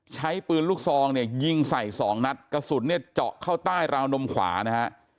ใช้ปืนลูกซองยิงใส่๒นัดกระสุนเจาะเข้าใต้ราวนมขวานะครับ